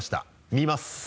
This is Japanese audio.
見ます。